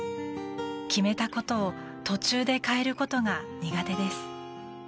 決めたことを途中で変えることが苦手です。